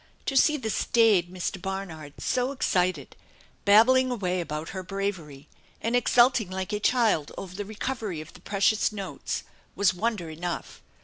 To see the staid Mr. Barnard so excited, babbling away about her bravery and exulting like a child over the recovery of the precious notes, was wonder enough.